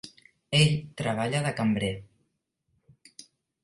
Ell treballa de cambrer.